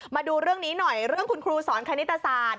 มาดูเรื่องนี้หน่อยเรื่องคุณครูสอนคณิตศาสตร์